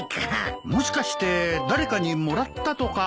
もしかして誰かにもらったとか。